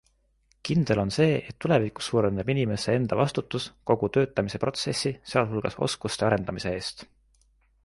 Kindel on see, et tulevikus suureneb inimese enda vastutus kogu töötamise protsessi, sealhulgas oskuste arendamise eest.